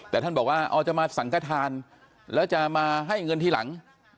แต่ท่านบอกว่าอ๋อจะมาสังกระทานแล้วจะมาให้เงินทีหลัง